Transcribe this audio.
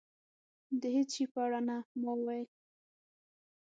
د هېڅ شي په اړه نه. ما وویل.